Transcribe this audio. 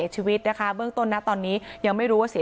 ชั่วโมงตอนพบศพ